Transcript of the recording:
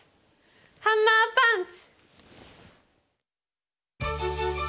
ハンマーパンチ！